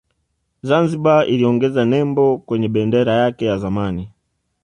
Zanzibar iliongeza nembo kwenye bendera yake ya zamani